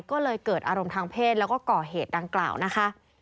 ก็เลยเกิดอารมณ์ทางเพศแล้วก็ก่อเหตุดังกล่าวนะคะ